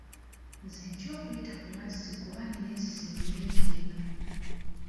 Nze ntya okuyita ku mazzi kuba nnina ensisi nnyingi nnyo.